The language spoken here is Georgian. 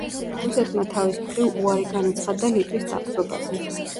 რუსეთმა თავის მხრივ უარი განაცხადა ლიტვის დაპყრობაზე.